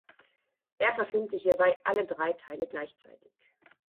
Er verfilmte hierbei alle drei Teile gleichzeitig.